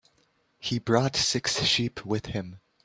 He brought six sheep with him.